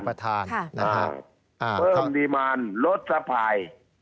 เพิ่มริมาณลดสภาย